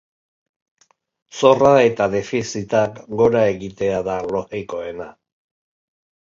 Zorra eta defizitak gora egitea da logikoena.